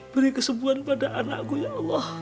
beri kesebuhan pada anakku ya allah